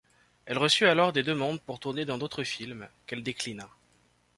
Elle reçut alors des demandes pour tourner dans d'autres films, qu'elle déclina.